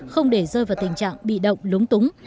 không để rơi vào tình trạng bị động lúng túng